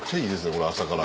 これ朝から。